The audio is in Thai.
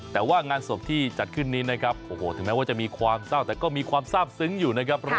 แต่ว่างานศพจัดขึ้นนี้หมาว่าจะมีความเศร้าแต่มีความทราบซึ้งอยู่